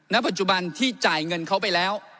ณปัจจุบันที่จ่ายเงินเขาไปแล้ว